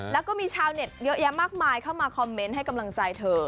แล้วก็มีชาวเน็ตเยอะแยะมากมายเข้ามาคอมเมนต์ให้กำลังใจเธอ